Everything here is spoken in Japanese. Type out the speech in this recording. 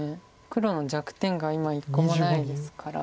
黒の弱点が今一個もないですから。